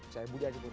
saya budi aditya